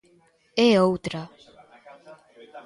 É outra.